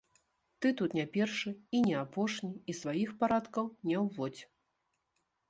Ты тут не першы і не апошні і сваіх парадкаў не ўводзь.